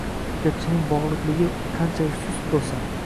ko‘katchining bog‘liqligi qanchalik sust bo‘lsa